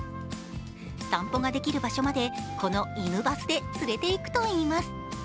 散歩ができる場所まで、この犬バスで連れていくといいます。